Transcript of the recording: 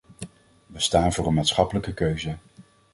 We staan voor een maatschappelijke keuze.